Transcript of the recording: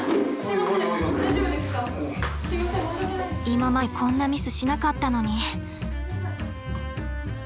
今までこんなミスしなかったのに。